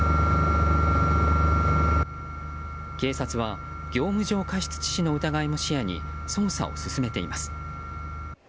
警察は業務上過失致死の疑いも視野に捜査を進めています。